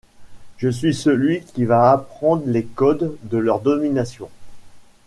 Je suis celui qui va apprendre les codes de leur domination.